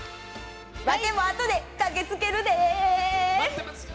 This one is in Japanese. ワテもあとで駆けつけるで。